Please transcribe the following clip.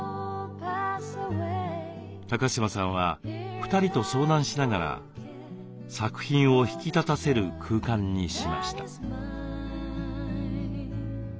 高島さんは２人と相談しながら作品を引き立たせる空間にしました。